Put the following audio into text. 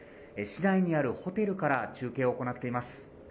市内にあるホテルから中継を行っています